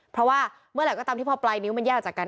เพราะว่าเมื่อไหร่ก็ตามที่พอปลายนิ้วมันแยกจากกัน